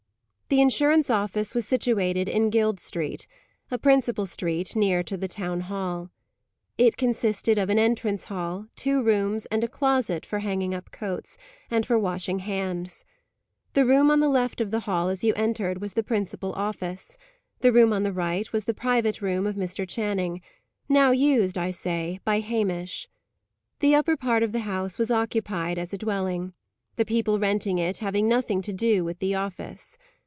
The insurance office was situated in Guild Street, a principal street, near to the Town Hall. It consisted of an entrance hall, two rooms, and a closet for hanging up coats, and for washing hands. The room on the left of the hall, as you entered, was the principal office; the room on the right, was the private room of Mr. Channing; now used, I say, by Hamish. The upper part of the house was occupied as a dwelling; the people renting it having nothing to do with the office.